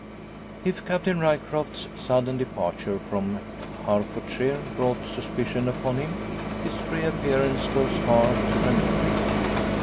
If Captain Ryecroft's sudden departure from Herefordshire brought suspicion upon him, his reappearance goes far to remove it.